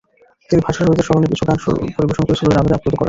তিনি ভাষাশহীদদের স্মরণে কিছু গান পরিবেশন করে শ্রোতাদের আবেগে আল্পুত করেন।